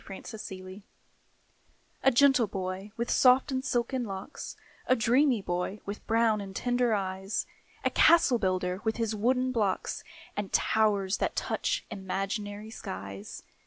THE CASTLE BUILDER A gentle boy, with soft and silken locks A dreamy boy, with brown and tender eyes, A castle builder, with his wooden blocks, And towers that touch imaginary skies.